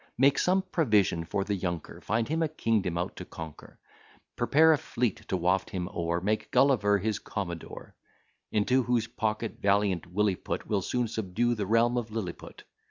Make some provision for the younker, Find him a kingdom out to conquer; Prepare a fleet to waft him o'er, Make Gulliver his commodore; Into whose pocket valiant Willy put, Will soon subdue the realm of Lilliput.